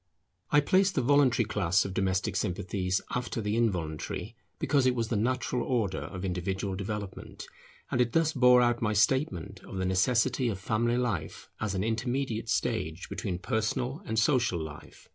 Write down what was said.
I placed the voluntary class of domestic sympathies after the involuntary, because it was the natural order of individual development, and it thus bore out my statement of the necessity of family life as an intermediate stage between personal and social life.